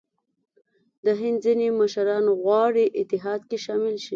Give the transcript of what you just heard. د هند ځیني مشران غواړي اتحاد کې شامل شي.